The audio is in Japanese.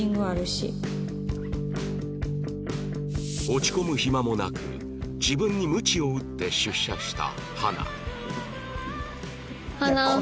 落ち込む暇もなく自分にむちを打って出社した花